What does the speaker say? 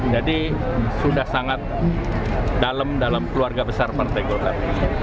jadi sudah sangat dalam dalam keluarga besar partai golkar